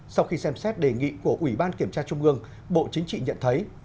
sau khi xem xét đề nghị của ủy ban kiểm tra trung ương bộ chính trị nhận thấy